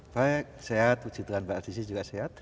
baik sehat uci terang pak artis juga sehat